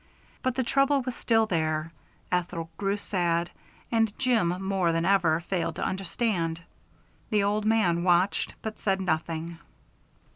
But the trouble was still there; Ethel grew sad, and Jim, more than ever, failed to understand. The old man watched, but said nothing.